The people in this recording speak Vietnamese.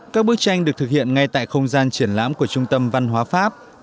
các bức tranh được thực hiện ngay tại không gian triển lãm của trung tâm văn hóa pháp